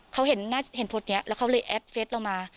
เขาเห็นโพสต์นี้แล้วเขาเลยแอดเฟสเรามา